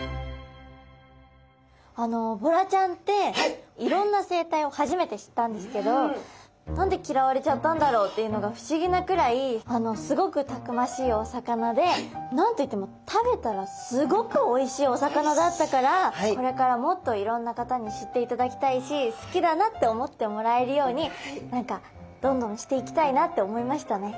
あのボラちゃんっていろんな生態を初めて知ったんですけど何で嫌われちゃったんだろうっていうのが不思議なくらいすごくたくましいお魚で何と言っても食べたらすごくおいしいお魚だったからこれからもっといろんな方に知っていただきたいし好きだなって思ってもらえるように何かどんどんしていきたいなって思いましたね。